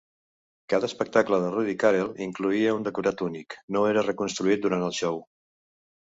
Cada espectacle de Rudi Carrell incloïa un decorat únic, no era reconstruït durant el show.